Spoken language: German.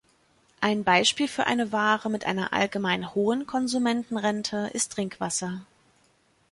Ein Beispiel für eine Ware mit einer allgemein hohen Konsumentenrente ist Trinkwasser.